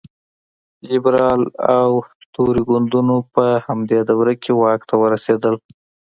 لېبرال او توري ګوندونو په همدې دوره کې واک ته ورسېدل.